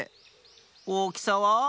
おおきさは？